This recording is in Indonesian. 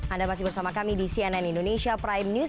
anda masih bersama kami di cnn indonesia prime news